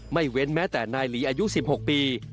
เว้นแม้แต่นายหลีอายุ๑๖ปี